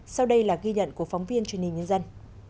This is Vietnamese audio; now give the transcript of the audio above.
sau đây là ghi nhận của phóng viên truyền hình nhân dân